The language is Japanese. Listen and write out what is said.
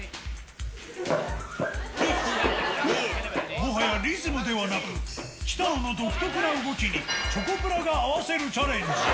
もはやリズムではなく、北野の独特な動きにチョコプラが合わせるチャレンジ。